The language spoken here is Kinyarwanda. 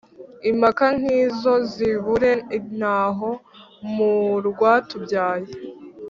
Impaka nk’izo zibure intaho mu rwatubyaye